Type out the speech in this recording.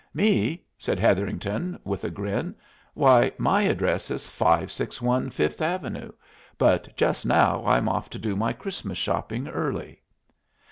"Me?" said Hetherington with a grin, "why, my address is 561 Fifth Avenue, but just now I'm off to do my Christmas shopping early."